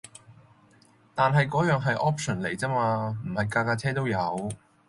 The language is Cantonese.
但係嗰樣係 option 嚟咋嘛，唔係架架車都有